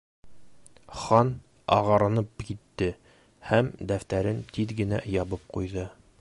Хан ағарынып китте һәм дәфтәрен тиҙ генә ябып ҡуйҙы.